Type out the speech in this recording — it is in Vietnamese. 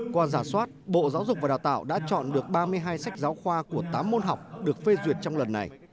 qua giả soát bộ giáo dục và đào tạo đã chọn được ba mươi hai sách giáo khoa của tám môn học được phê duyệt trong lần này